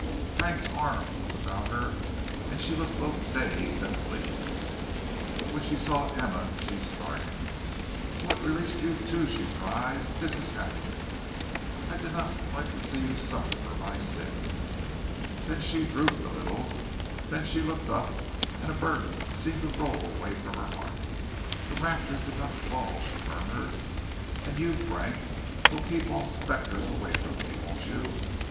Frank's arm was about her and she looked both dazed and pleased. When she saw Emma she started. "Oh, it releases you too," she cried; "that is happiness. I did not like to see you suffer for my sins." Then she drooped a little, then she looked up, and a burden seemed to roll away from her heart. "The rafters did not fall," she murmured, "and you, Frank, will keep all spectres away from me, won't you?